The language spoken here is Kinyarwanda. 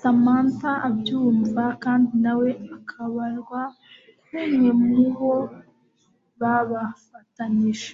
Samantha abyumva kandi nawe akabarwa nk umwe mubo babafatanije